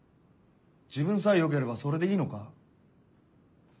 自分さえよければそれでいいのか？